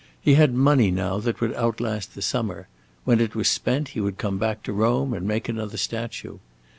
He had money, now, that would outlast the summer; when it was spent he would come back to Rome and make another statue.